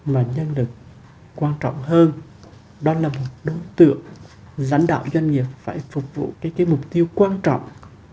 mà nhân lực quan trọng hơn đó là một đối tượng lãnh đạo doanh nghiệp phải phục vụ mục tiêu quan trọng